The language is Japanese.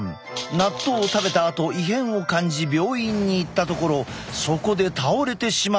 納豆を食べたあと異変を感じ病院に行ったところそこで倒れてしまったという。